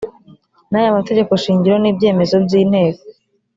n aya mategeko shingiro n ibyemezo by inteko